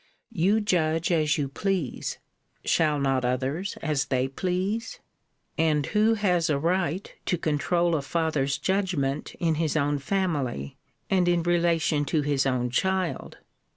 You judge as you please. Shall not others as they please? And who has a right to controul a father's judgment in his own family, and in relation to his own child?